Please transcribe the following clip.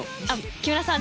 木村さん